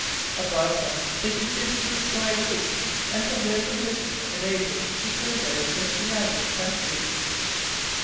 Above them they could see the blue sky roof, and from their position were enabled to survey the surrounding country.